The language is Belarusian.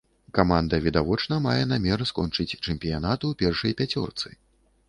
Каманда відавочна мае намер скончыць чэмпіянат у першай пяцёрцы.